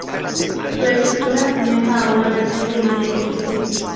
Su estructura asemeja a una versión primaria de un violín.